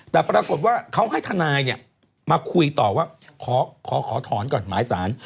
แต่ปรากฏว่าเขาให้ทนายมาคุยต่อว่าขอถอนก่อนหมายสาร